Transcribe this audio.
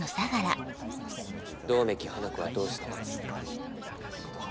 百目鬼華子はどうしてる？